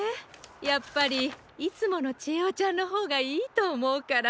やっぱりいつものちえおちゃんのほうがいいとおもうから。